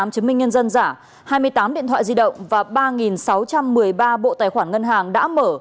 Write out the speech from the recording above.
một mươi chứng minh nhân dân giả hai mươi tám điện thoại di động và ba sáu trăm một mươi ba bộ tài khoản ngân hàng đã mở